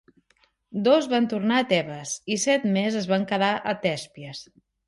Dos van tornar a Tebes i set més es van quedar a Tèspies.